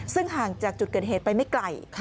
ซึ่งห่างจากจุดเกิดเหตุไปไม่ไกล